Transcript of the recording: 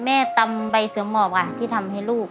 แม่ตำใบเสือหมอบที่ทำให้ลูก